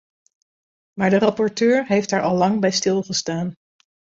Maar de rapporteur heeft daar al lang bij stilgestaan.